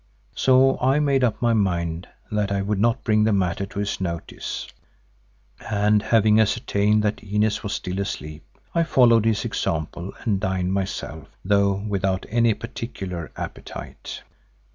So I made up my mind that I would not bring the matter to his notice and having ascertained that Inez was still asleep, I followed his example and dined myself, though without any particular appetite.